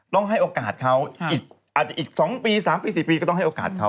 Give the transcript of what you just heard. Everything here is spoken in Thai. ให้โอกาสเขาอีกอาจจะอีก๒ปี๓ปี๔ปีก็ต้องให้โอกาสเขา